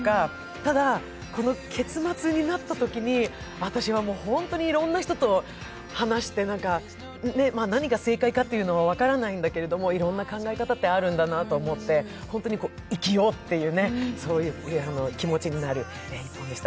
ただ、結末になったときに私は本当にいろんな人と話して何が正解かは分からないんだけど、いろいろな考え方ってあるんだなと思って、本当に生きようっていう気持ちになる映画でした。